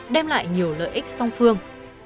đem lại nhiều lợi ích song phương